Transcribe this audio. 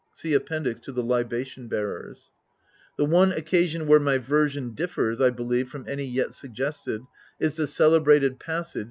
(See Appendix to T^ Libation Bearers. ) The one occasion where my version differs, I believe, from any yet suggested, is the celebrated passage (Ag.